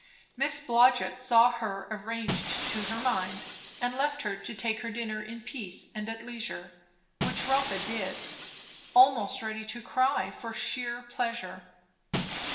Miss Blodgett saw her arranged to her mind, and left her to take her dinner in peace and at leisure; which Rotha did, almost ready to cry for sheer pleasure.